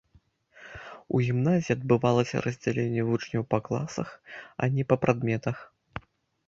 У гімназіі адбывалася раздзяленне вучняў па класах, а не прадметах.